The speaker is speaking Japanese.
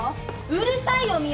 うるさいよ深雪！